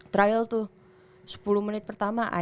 trial tuh sepuluh menit pertama